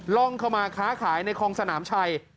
ร่องเข้ามาค้าขายในคลองสนามชัย